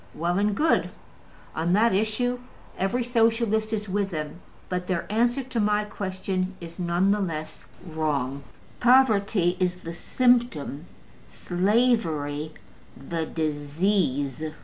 Well and good! On that issue every Socialist is with them. But their answer to my question is none the less wrong. Poverty is the symptom: slavery the disease.